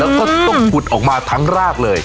แล้วก็ต้องขุดออกมาทั้งรากเลย